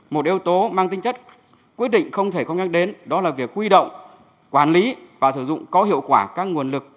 một yếu tố mang tính chất quyết định không thể không nhắc đến đó là việc huy động quản lý và sử dụng có hiệu quả các nguồn lực